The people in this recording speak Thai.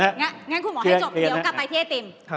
งั้นคุณหมอให้จบเดี๋ยวกลับไปที่ไอติม